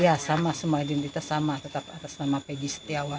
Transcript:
ya sama semua identitas sama tetap atas nama pegi setiawan